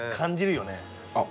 あっ。